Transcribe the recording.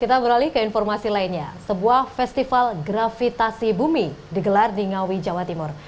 kita beralih ke informasi lainnya sebuah festival gravitasi bumi digelar di ngawi jawa timur